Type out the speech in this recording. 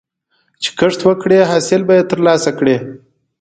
چې کښت وکړې، حاصل به یې ترلاسه کړې.